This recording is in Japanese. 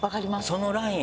そのライン